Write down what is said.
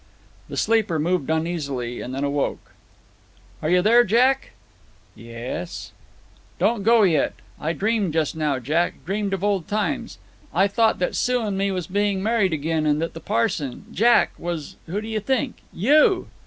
The sleeper moved uneasily, and then awoke. "Are you there Jack?" "Yes." "Don't go yet. I dreamed just now, Jack dreamed of old times. I thought that Sue and me was being married agin, and that the parson, Jack, was who do you think? you!"